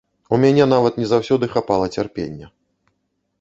У мяне нават не заўсёды хапала цярпення.